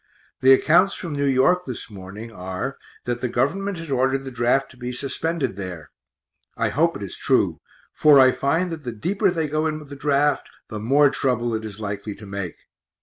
The acc'ts from N. Y. this morning are that the Gov't has ordered the draft to be suspended there I hope it is true, for I find that the deeper they go in with the draft, the more trouble it is likely to make.